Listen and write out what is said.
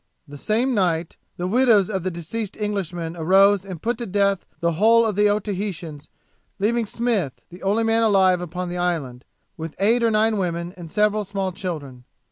The same night, the widows of the deceased Englishmen arose and put to death the whole of the Otaheitans, leaving Smith, the only man alive upon the island, with eight or nine women and several small children.